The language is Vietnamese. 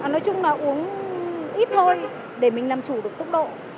nói chung là uống ít thôi để mình làm chủ được tốc độ